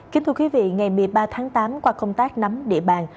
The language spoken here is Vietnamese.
kính thưa quý vị ngày một mươi ba tháng tám qua công tác nắm địa bàn